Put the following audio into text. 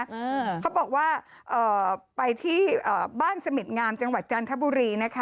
อืมเขาบอกว่าเอ่อไปที่อ่าบ้านเสม็ดงามจังหวัดจันทบุรีนะคะ